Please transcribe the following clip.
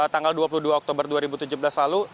tanggal dua puluh dua oktober dua ribu tujuh belas lalu